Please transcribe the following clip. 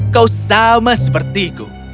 kau sama sepertiku